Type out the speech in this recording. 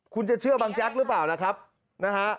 คุณจะเชื่อบางแจ๊กหรือเปล่านะครับนะฮะ